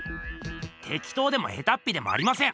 てきとうでもヘタッピでもありません。